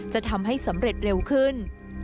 จะทำให้สำเร็จเร็วขึ้น